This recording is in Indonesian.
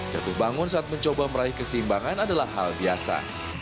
jatuh bangun saat mencoba meraih keseimbangan adalah hal biasa